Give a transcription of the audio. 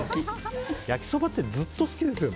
焼きそばってずっと好きですよね。